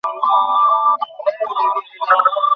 এবার বিনিময় নীতিমালার আওতায় মুক্তি পাচ্ছে বাংলাদেশে।